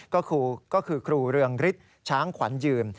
ก็คือครูเรืองฤทธิ์ช้างขวัญยืม